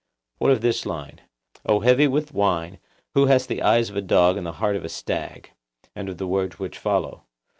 What of this line, 'O heavy with wine, who hast the eyes of a dog and the heart of a stag,' and of the words which follow?